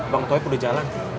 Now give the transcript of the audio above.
bang toev udah jalan